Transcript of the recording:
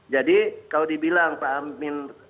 jadi kalau dibilang pak amin